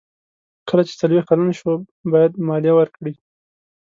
کله چې څلویښت کلن شو باید مالیه ورکړي.